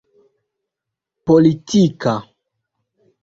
politika